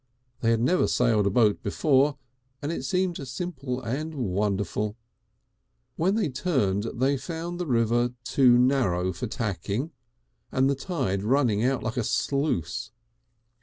They had never sailed a boat before and it seemed simple and wonderful. When they turned they found the river too narrow for tacking and the tide running out like a sluice.